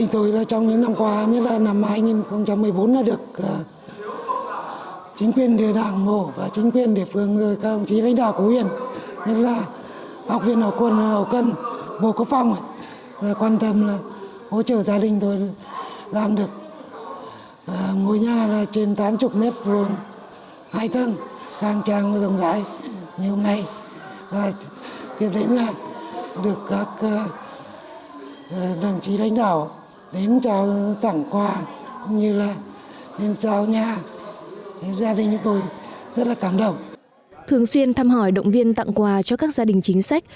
thường xuyên thăm hỏi động viên tặng quà cho các gia đình chính sách